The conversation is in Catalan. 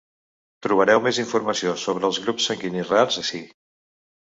Trobareu més informació sobre el grups sanguinis rars ací.